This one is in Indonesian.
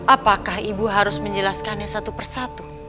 apakah ibu harus menjelaskannya satu persatu